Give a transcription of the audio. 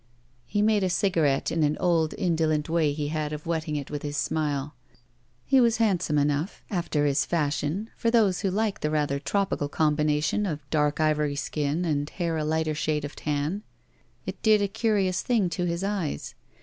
He made a cigarette in an old, indolent way he had of wetting it with his smile. He was handsome enough after his fashion, for those who like the rather tropical combination of dark ivory skin, and hair a lighter shade of tan. It did a curious thing to his eyes.